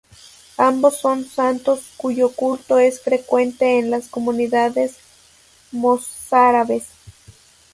Ambos son santos cuyo culto es frecuente en las comunidades mozárabes.